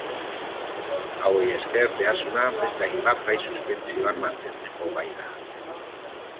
Hauei esker behazuna beste hainbat gai suspentsioan mantentzeko gai da.